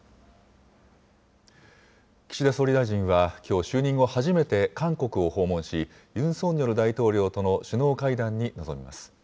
岸田総理大臣は、きょう、就任後初めて韓国を訪問し、ユン・ソンニョル大統領との首脳会談に臨みます。